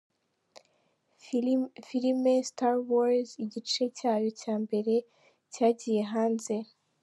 Filime Star Wars igice cyayo cya mbere cyagiye hanze.